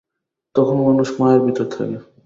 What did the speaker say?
তখনও মানুষ মায়ার ভিতর থাকে।